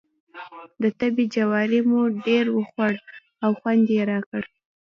د تبۍ جواری مو ډېر وخوړ او خوند یې وکړ.